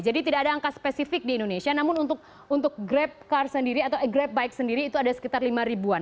jadi tidak ada angka spesifik di indonesia namun untuk grab car sendiri atau grab bike sendiri itu ada sekitar lima ribuan